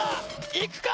いくか！